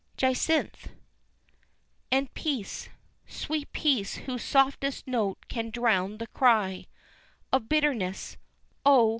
Jacynth: "And Peace Sweet Peace, whose softest note can drown the cry Of bitterness Oh!